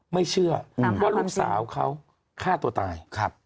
ไม่เชื่อว่าลูกสาวเขาฆ่าตัวตาย